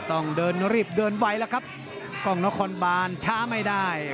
ต้องเดินรีบเดินไวแล้วครับกล้องนครบานช้าไม่ได้